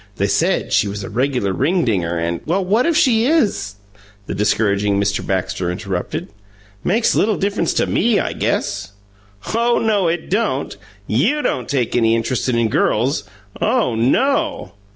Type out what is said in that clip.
"They said she was a reg'lar ringdinger and " "Well, what if she is?" the discouraging Mr. Baxter interrupted. "Makes little difference to ME, I guess!" "Oh no, it don't. YOU don't take any interest in girls! OH no!"